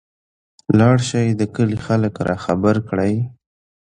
لاړشى د کلي خلک راخبر کړى.